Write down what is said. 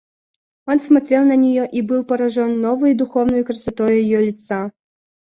Он смотрел на нее и был поражен новою духовною красотой ее лица.